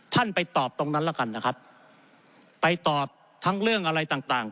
ไปตอบตรงนั้นแล้วกันนะครับไปตอบทั้งเรื่องอะไรต่างต่าง